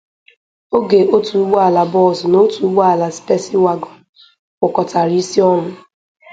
oge otu ụgbọala bọọsụ na otu ụgbọala spesi wagọn kwokọtàrà isi ọnụ